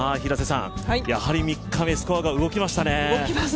やはり３日目、スコアが動きましたね。